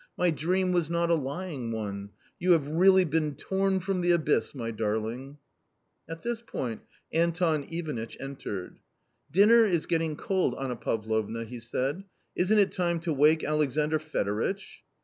My dream was not a lying one ; you have really been torn from the abyss, my darling !" At this point Anton Ivanitch entered. " Dinner is getting cold, Anna Pavlovna," he said ;" isn't it time to wake Alexandr Fedoritch